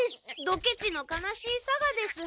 ドケチの悲しいさがです。